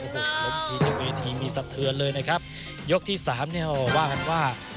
โอ้โหล้มทีบนเวทีนี่สะเทือนเลยนะครับยกที่สามเนี่ยว่ากันว่า